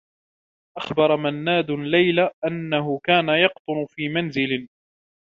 أخبر منّاد ليلى أنّه كان يقطن في منزل.